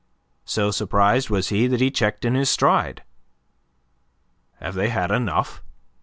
So surprised was he that he checked in his stride. "Have they had enough?"